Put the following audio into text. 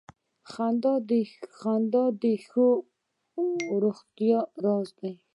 • خندا د ښې روغتیا راز دی.